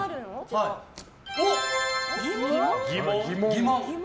疑問？